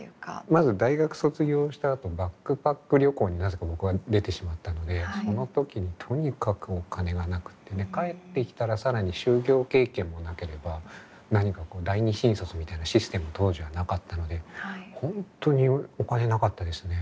まず大学卒業したあとバックパック旅行になぜか僕は出てしまったのでその時にとにかくお金がなくてね帰ってきたら更に就業経験もなければ何か第２新卒みたいなシステム当時はなかったので本当にお金なかったですね。